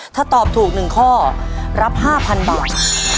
ถ้าตอบถูก๑ข้อรับ๕๐๐๐บาท